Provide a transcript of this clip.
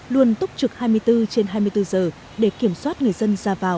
luôn túc trực hai mươi bốn trên hai mươi bốn giờ để kiểm soát người dân